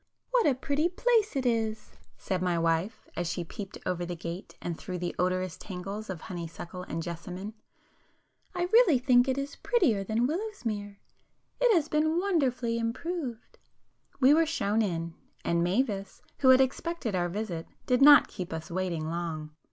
"What a pretty place it is!" said my wife, as she peeped over the gate, and through the odorous tangles of honeysuckle and jessamine—"I really think it is prettier than Willowsmere. It has been wonderfully improved." We were shown in,—and Mavis, who had expected our visit did not keep us waiting long.